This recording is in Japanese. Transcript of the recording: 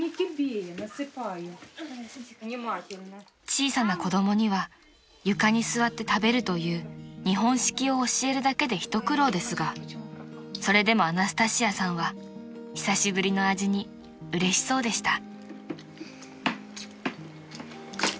［小さな子供には床に座って食べるという日本式を教えるだけで一苦労ですがそれでもアナスタシアさんは久しぶりの味にうれしそうでした］